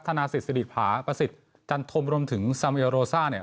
ธนาศิษย์ศรีภาประศิษย์จันทมรมถึงซาเมลโรซ่าเนี่ย